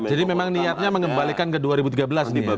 jadi memang niatnya mengembalikan ke dua ribu tiga belas nih ya